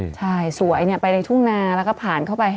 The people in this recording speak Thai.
ใช่สวยไปในทุ่งนาแล้วก็ผ่านเข้าไป